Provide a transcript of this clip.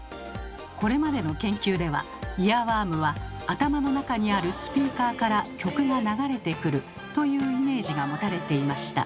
これまでの研究ではイヤーワームは頭の中にあるスピーカーから曲が流れてくるというイメージが持たれていました。